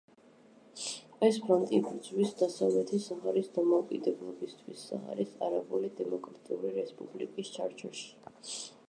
ეს ფრონტი იბრძვის დასავლეთი საჰარის დამოუკიდებლობისთვის, საჰარის არაბული დემოკრატიული რესპუბლიკის ჩარჩოში.